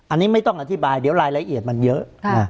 อันนี้ไม่ต้องอธิบายเดี๋ยวรายละเอียดมันเยอะ